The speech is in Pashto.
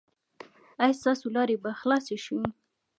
ایا ستاسو لارې به خلاصې شي؟